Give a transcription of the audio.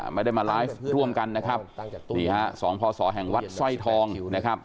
ไม่ได้มาไลฟ์ร่วมกันนะครับนี่ฮะสองพศแห่งวัดสร้อยทองนะครับ